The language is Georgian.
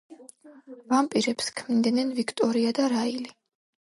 ვამპირებს ქმნიდნენ ვიქტორია და რაილი.